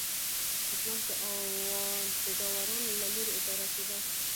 حکومت د داورانو له لوري اداره کېده.